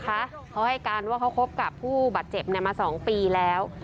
เขาให้การว่าเขาคบกับผู้บาดเจ็บมา๒ปีแล้ว